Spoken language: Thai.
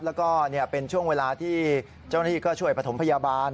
แล้วก็เป็นช่วงเวลาที่เจ้าหน้าที่ก็ช่วยประถมพยาบาล